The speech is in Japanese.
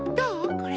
これ。